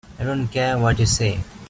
I don't care what you say.